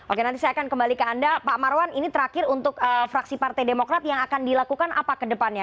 oke nanti saya akan kembali ke anda pak marwan ini terakhir untuk fraksi partai demokrat yang akan dilakukan apa kedepannya